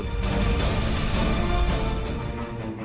นอกจากนั้นยังพบกางเกงและเสื้อซึ่งพ่อแม่ยืนยันว่าเป็นของน้องการ์ตูน